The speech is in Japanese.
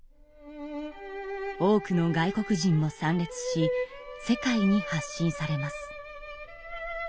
多くの外国人も参列し世界に発信されます。